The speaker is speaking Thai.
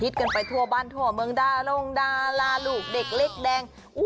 กันไปทั่วบ้านทั่วเมืองดารงดาราลูกเด็กเล็กแดง